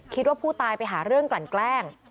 คิดว่าผู้ตายไปหาเรื่องกลั่นแกล้ง